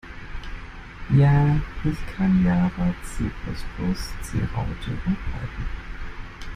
Ja, ich kann Java, C Plus Plus, C Raute und Python.